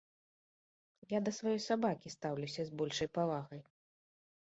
Я да сваёй сабакі стаўлюся з большай павагай.